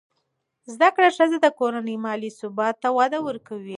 زده کړه ښځه د کورنۍ مالي ثبات ته وده ورکوي.